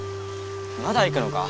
まだ行くのか？